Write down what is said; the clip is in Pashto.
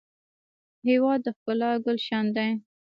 هېواد د ښکلا ګلشن دی.